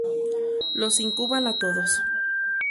Los incuban a todos.